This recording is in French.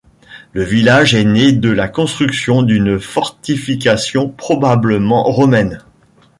Le village est né de la construction d'une fortification, probablement romaine.